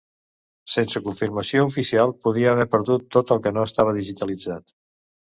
Sense confirmació oficial, podria haver perdut tot el que no estava digitalitzat.